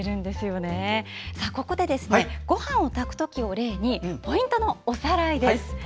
ここでごはんを炊く時を例にポイントのおさらいです。